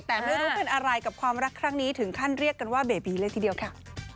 แต่ไม่รู้เป็นอะไรกับความรักครั้งนี้ถึงขั้นเรียกกันว่าเบบีเลยทีเดียวค่ะ